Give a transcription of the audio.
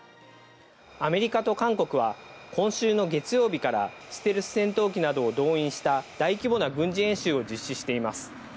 アメリカと韓国は、今週の月曜日からステルス戦闘機などを動員した大規模な軍事演習を実施しています。